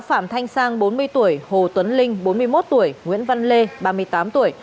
phạm thanh sang bốn mươi tuổi hồ tuấn linh bốn mươi một tuổi nguyễn văn lê ba mươi tám tuổi